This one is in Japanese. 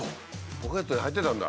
ポケットに入ってたんだ。